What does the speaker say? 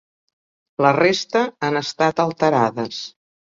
La resta han estat alterades.